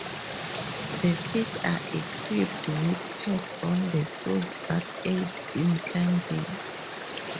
The feet are equipped with pads on the soles that aid in climbing.